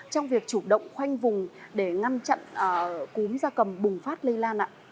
trong việc chủ động khoanh vùng để ngăn chặn cúm ra cầm bùng phát lên